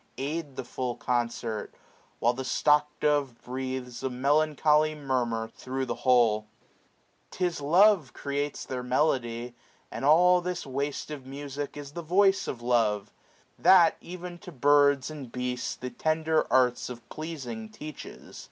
Aid the full concert: While the stock dove breathes A melancholy murmur thro* the whole. 610 •Tis love creates their melody, and all This waste of music is the voice of love ; That ev'n to birds, and beasts, the tender arts Of pleasing teaches.